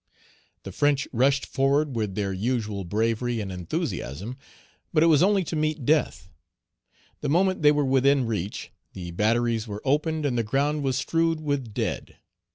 The French rushed forward with their usual bravery and enthusiasm, but it was only to meet death. The moment they were within reach, the batteries were opened and the ground was strewed with dead.